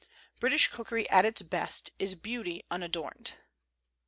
British cookery at its best is beauty unadorned.